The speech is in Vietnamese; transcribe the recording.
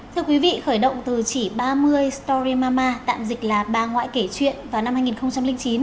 thưa quý vị khởi động từ chỉ ba mươi story mama tạm dịch là ba ngoại kể chuyện vào năm hai nghìn chín